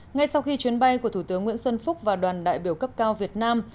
ngay sau khi chuyến bay của thủ tướng nguyễn xuân phúc và đoàn đại biểu cấp cao việt nam